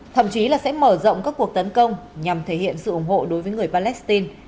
thậm chí là sẽ mở rộng các cuộc tấn công nhằm thể hiện sự ủng hộ đối với người palestine